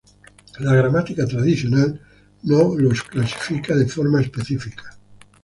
La gramática tradicional no los clasifica de forma específica.